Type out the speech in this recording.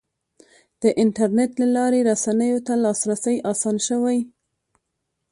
د انټرنیټ له لارې رسنیو ته لاسرسی اسان شوی.